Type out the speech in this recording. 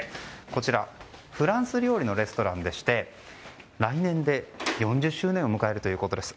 こちらフランス料理のレストランでして来年で４０周年を迎えるということです。